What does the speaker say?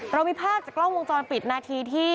เรามีภาพจากกล้องวงจรปิดนาทีที่